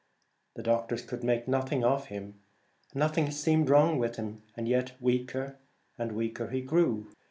The doctors could make nothing of him. Nothing seemed wrong with him, yet weaker and weaker he grew.